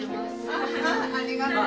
あっありがとう。